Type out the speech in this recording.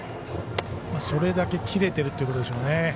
それだけ切れてるということでしょうね。